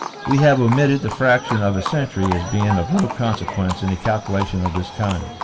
We have omitted the fraction of a cen tury as being of little consequence in a calculation of this kind.